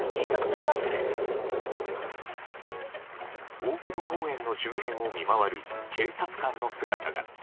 大久保公園の周辺を見回る警察官の姿が。